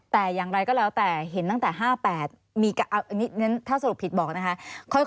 แต่อย่างไรก็แล้วแต่เห็นตั้งแต่๕๘มีการถ้าสรุปผิดบอกนะคะ